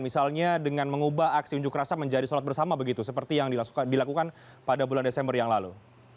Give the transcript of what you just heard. misalnya dengan mengubah aksi unjuk rasa menjadi sholat bersama begitu seperti yang dilakukan pada bulan desember yang lalu